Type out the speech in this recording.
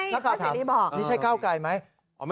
นักข่าวสามนี่ใช่ก้าวไกลไหม